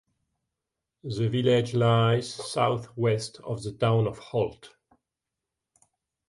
The village lies south west of the town of Holt.